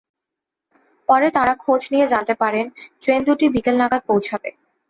পরে তাঁরা খোঁজ নিয়ে জানতে পারেন ট্রেন দুটি বিকেল নাগাদ পৌঁছাবে।